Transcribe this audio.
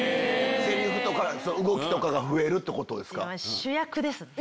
セリフとか動きとかが増えるってことですか？